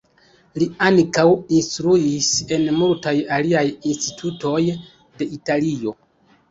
Li ankaŭ instruis en multaj aliaj institutoj de Italio.